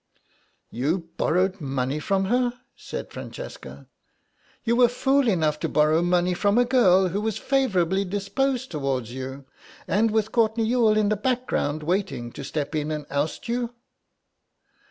"You borrowed money from her!" said Francesca; "you were fool enough to borrow money from a girl who was favourably disposed towards you, and with Courtenay Youghal in the background waiting to step in and oust you!"